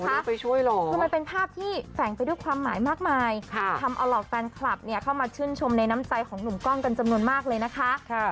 โหแล้วไปช่วยเหรอแล้วมันเป็นภาพที่แสงไปด้วยความหมายมากมายค่ะทำเอาหลอกแฟนคลับเนี้ยเข้ามาชื่นชมในน้ำใจของหนุ่มกล้องกันจำนวนมากเลยนะคะค่ะ